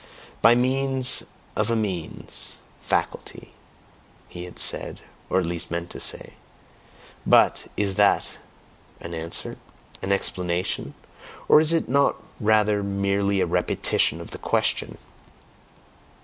"By means of a means (faculty)" he had said, or at least meant to say. But, is that an answer? An explanation? Or is it not rather merely a repetition of the question?